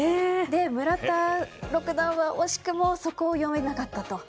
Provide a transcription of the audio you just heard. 村田六段は惜しくもそこを読めなかったと。